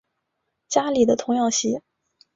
家里的童养媳